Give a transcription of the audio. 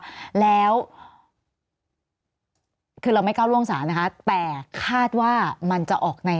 แล้วคือเราไม่ก้าวล่วงศาลนะคะแต่คาดว่ามันจะออกใน